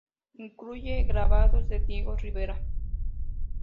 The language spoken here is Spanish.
Incluye grabados de Diego Rivera.